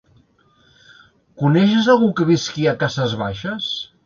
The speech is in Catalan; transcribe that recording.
Coneixes algú que visqui a Cases Baixes?